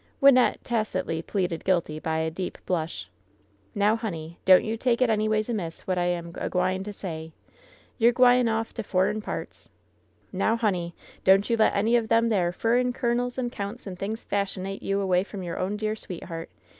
Wynnette tacitly pleaded guilty by a deep blush. "Now, honey, don't you take it anyways amiss what I am a gwine to say. You're gwine off to furrin parts. LOVE'S BITTEREST CUP 167 ISTow, honey, don^t you let any of them there furrin colonels and counts and things f ashionate you away from you own dear sweetheart.